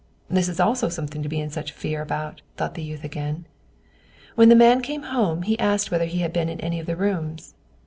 "This is also something to be in such fear about," thought the youth again. When the man came home, he asked whether he had been in any of the rooms.